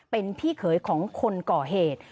เป็นพี่เขยของคนก่อเหตุ